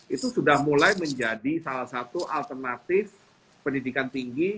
itu sudah mulai menjadi salah satu alternatif pendidikan tinggi